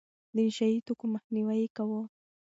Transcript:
د نشه يي توکو مخنيوی يې کاوه.